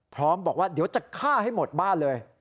พร้อมบอกว่าเดี๋ยวจะฆ่าให้หมดบ้านเลย